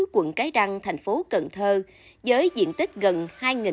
quận cái răng thành phố cần thơ với diện tích gần hai m hai gồm bốn hạng mục